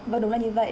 vâng đúng là như vậy